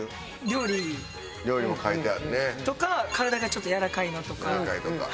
料理も書いてあるね。とか体がちょっとやわらかいのとか。